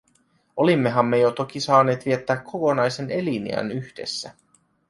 Olimmehan me jo toki saaneet viettää kokonaisen eliniän yhdessä.